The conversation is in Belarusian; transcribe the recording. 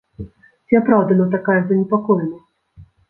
Ці апраўдана такая занепакоенасць?